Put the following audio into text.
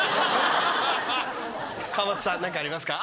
川俣さん何かありますか？